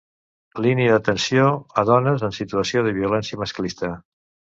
Línia d'atenció a dones en situació de violència masclista.